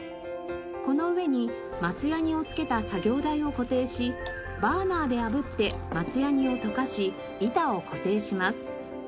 この上に松ヤニをつけた作業台を固定しバーナーで炙って松ヤニを溶かし板を固定します。